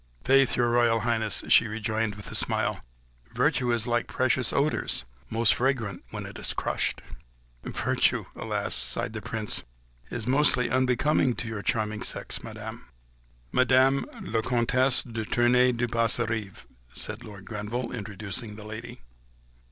"Faith, your Royal Highness," she rejoined with a smile, "virtue is like precious odours, most fragrant when it is crushed." "Virtue, alas!" sighed the Prince, "is mostly unbecoming to your charming sex, Madame." "Madame la Comtesse de Tournay de Basserive," said Lord Grenville, introducing the lady.